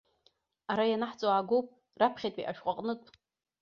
Ара ианаҳҵо аагоуп раԥхьатәи ашәҟәы аҟнытә.